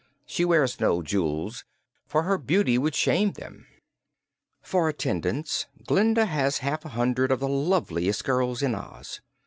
She wears no jewels, for her beauty would shame them. For attendants Glinda has half a hundred of the loveliest girls in Oz.